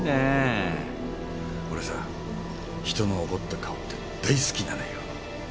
俺さひとの怒った顔って大好きなのよ。